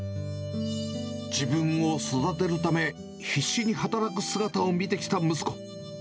自分を育てるため、必死に働く姿を見てきた息子。